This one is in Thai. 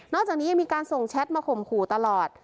จากนี้ยังมีการส่งแชทมาข่มขู่ตลอด